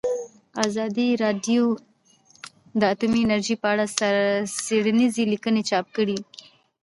ازادي راډیو د اټومي انرژي په اړه څېړنیزې لیکنې چاپ کړي.